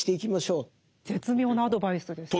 絶妙なアドバイスですよね。